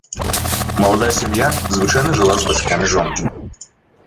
Маладая сям'я звычайна жыла з бацькамі жонкі.